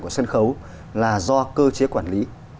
của sân khấu là do cơ chế quản lý